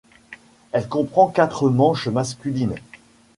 Elle comprend quatre manches masculines.